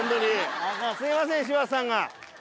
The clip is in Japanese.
すいません柴田さんが。